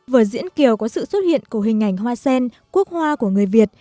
vở diễn kiều có sự xuất hiện của hình ảnh hoa sen quốc hoa của người việt